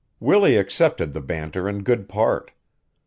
Willie accepted the banter in good part.